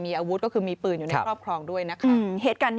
มีอาวุธก็คือมีปืนอยู่ในครอบครองด้วยนะครับ